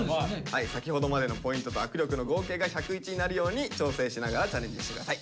先ほどまでのポイントと握力の合計が１０１になるように調整しながらチャレンジして下さい。